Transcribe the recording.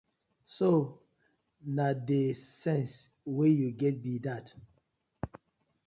So na dey sence wey yu get bi dat.